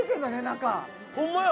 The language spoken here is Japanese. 中ホンマや！